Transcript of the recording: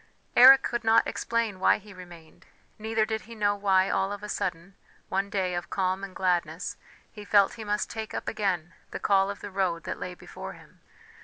Eric could not explain why he remained, neither did he know why all of a sudden, one day of calm and gladness, he felt he must take up again the call of the road that lay before him.